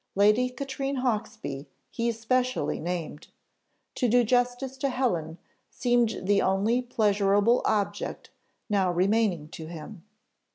Lady Katrine Hawksby, he especially named. To do justice to Helen seemed the only pleasurable object now remaining to him.